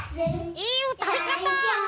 いいうたいかた！